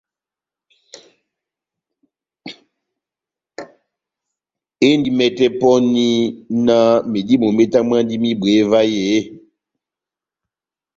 Endi mɛtɛ pɔni náh medímo metamwandini mehibweye vahe eeeh ?